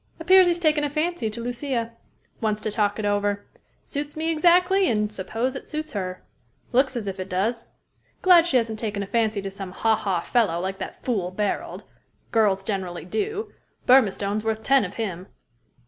Appears he's taken a fancy to Lucia. Wants to talk it over. Suits me exactly, and suppose it suits her. Looks as if it does. Glad she hasn't taken a fancy to some haw haw fellow, like that fool Barold. Girls generally do. Burmistone's worth ten of him."